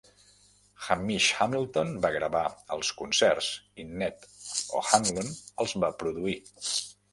Hamish Hamilton va gravar els concerts i Ned O'Hanlon els va produir.